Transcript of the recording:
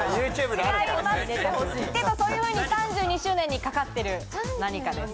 違いますけどそういうふうに３２周年にかかってる何かです。